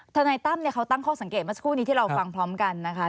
ทนายตั้มเขาตั้งข้อสังเกตเมื่อสักครู่นี้ที่เราฟังพร้อมกันนะคะ